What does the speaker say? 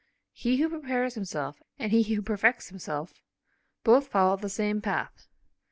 He who prepares himself, and he who perfects himself, both follow the same path.